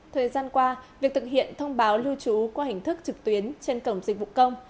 thời gian qua việc thực hiện thông báo lưu trú qua hình thức trực tuyến trên cổng dịch vụ công